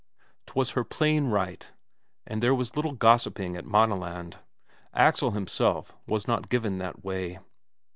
'Twas her plain right, and there was little gossiping at Maaneland. Axel himself was not given that way.